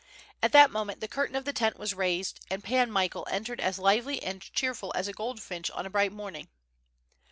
At that moment the curtain of the tent was raised and Pan Michael entered as lively and cheerful as a goldfinch on a bright morning.